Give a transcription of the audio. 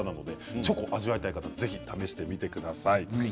チョコを味わいたい方はぜひ試してみてください。